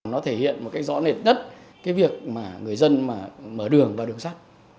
nó thể hiện một cách rõ nền tất cái việc mà người dân mở đường vào đường sắt